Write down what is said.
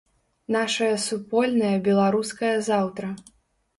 Нашае супольнае беларускае заўтра!